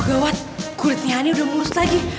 oh gawat kulitnya hani udah mulus lagi